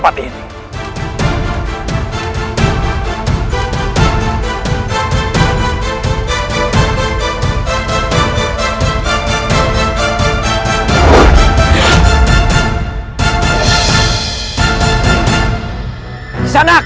aku bisa melepaskan diriku